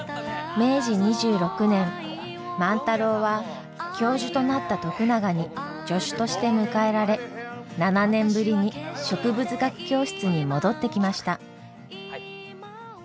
明治２６年万太郎は教授となった徳永に助手として迎えられ７年ぶりに植物学教室に戻ってきました。